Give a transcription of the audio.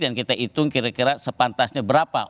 dan kita hitung kira kira sepantasnya berapa